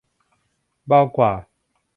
เบากว่า